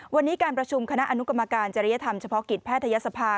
วันนี้การประชุมคณะอนุกรรมการจริยธรรมเฉพาะกิจแพทยศภา